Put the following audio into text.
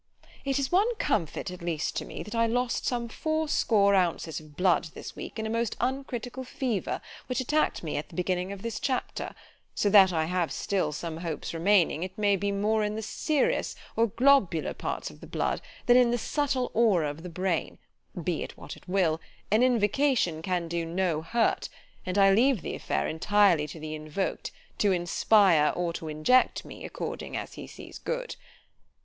It is one comfort at least to me, that I lost some fourscore ounces of blood this week in a most uncritical fever which attacked me at the beginning of this chapter; so that I have still some hopes remaining, it may be more in the serous or globular parts of the blood, than in the subtile aura of the brain——be it which it will—an Invocation can do no hurt——and I leave the affair entirely to the invoked, to inspire or to inject me according as he sees good.